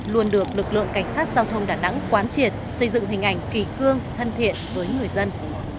luôn được lực lượng cảnh sát giao thông đà nẵng quán triệt xây dựng hình ảnh kỳ cương thân thiện với người dân